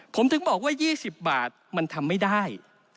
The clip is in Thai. ผมถึงบอกว่า๒๐บาทมันทำไม่ได้